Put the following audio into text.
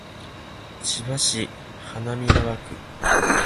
千葉市花見川区